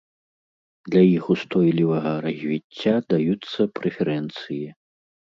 Для іх устойлівага развіцця даюцца прэферэнцыі.